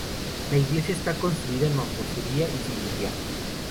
La iglesia está construida en mampostería y sillería.